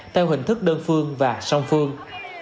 theo hình thức đơn phương và song phương